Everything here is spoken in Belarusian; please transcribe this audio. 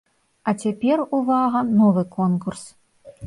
А цяпер, увага, новы конкурс!